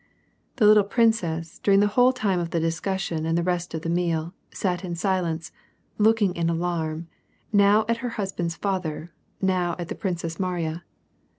The little princess, during the whole time of the discussion and the rest of the meal, sat in silence, looking in alarm, now at her husband's father, now at the Princess Mariya.